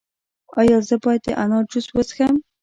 ایا زه باید د انار جوس وڅښم؟